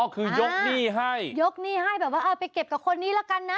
คือยกหนี้ให้ยกหนี้ให้แบบว่าเอาไปเก็บกับคนนี้ละกันนะ